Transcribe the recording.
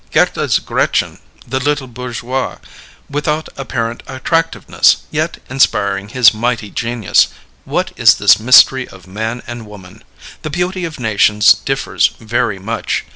Goethe's Gretchen, the little bourgeoise, without apparent attractiveness, yet inspiring his mighty genius what is this mystery of man and woman? The beauty of nations differs very much.